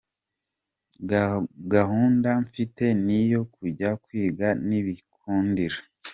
Gahunda mfite ni iyo kujya kwiga nibinkundira.